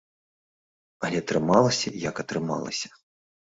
Але атрымалася як атрымалася.